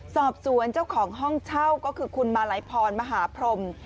สอบสวนเจ้าของห้องเช่าก็คือคุณมาลัยพรมหาพรม